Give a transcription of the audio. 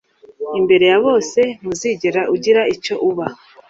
Imbere ya bose ntuzigera ugira icyo uba